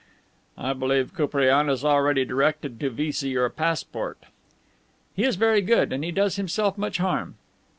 "I believe Koupriane is already directed to vise your passport." "He is very good, and he does himself much harm."